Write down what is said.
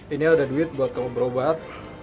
ini ada duit buat kamu berobat